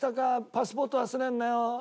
パスポート忘れんなよ」